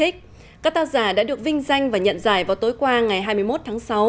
các tàu giả đã được vinh danh và nhận giải vào tối qua ngày hai mươi một tháng sáu